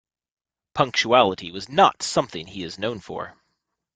Punctuality was not something he is known for.